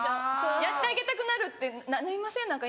やってあげたくなるってなりません？